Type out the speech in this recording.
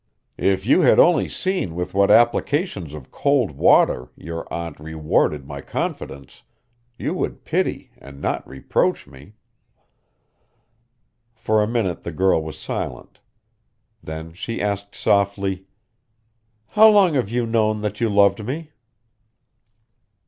If you had only seen with what applications of cold water your aunt rewarded my confidence, you would pity and not reproach me." For a minute the girl was silent. Then she asked softly: "How long have you known that you loved me?"